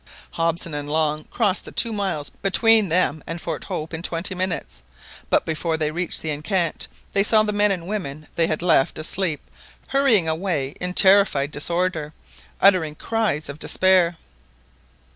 Hobson and Long crossed the two miles between them and Fort Hope in twenty minutes, but before they reached the enceinte they saw the men and women they had left asleep hurrying away in terrified disorder, uttering cries of despair.